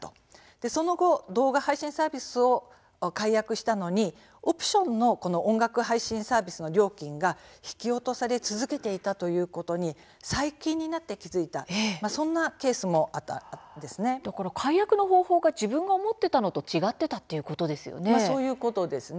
その後、動画配信サービスを解約したのにオプションの音楽配信サービスの料金が引き落とされ続けていたことに最近になって気付いた解約の方法が自分が思っていたのと違っていたということですね。